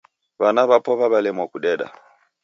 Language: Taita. W'ana w'apo w'aw'elemwa kudeda.